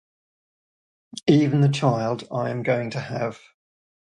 Even the child I am going to have!